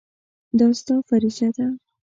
دا ستا فریضه ده.